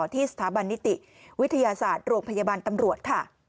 ที่สถาบันนิติวิทยาศาสตร์โรงพยาบาลตำรวจค่ะ